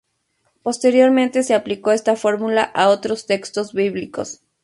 Posteriormente se aplicó esta fórmula a otros textos bíblicos.